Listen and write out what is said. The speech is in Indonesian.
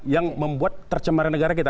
yang membuat tercemarnya negara kita